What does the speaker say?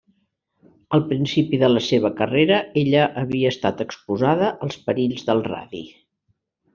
Al principi de la seva carrera, ella havia estat exposada als perills del radi.